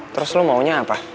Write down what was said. terus lo maunya apa